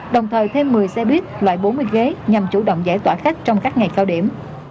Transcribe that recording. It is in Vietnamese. đồng thời thêm một mươi xe buýt loại bốn mươi ghế nhằm chủ động giải tỏa khách trong các ngày cao điểm